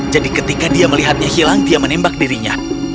jadi ketika dia melihatnya hilang dia menembak dirinya